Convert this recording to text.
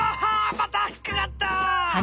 またひっかかった！